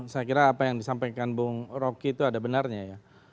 saya kira apa yang disampaikan bu rocky itu ada benarnya ya